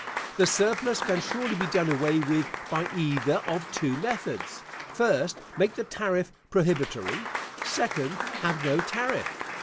The surplus can surely be done away with by either of two methods; first make the tariff prohibitory; second, have no tariff.